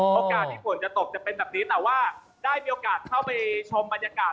โอกาสที่ฝนจะตกจะเป็นแบบนี้แต่ว่าได้มีโอกาสเข้าไปชมบรรยากาศ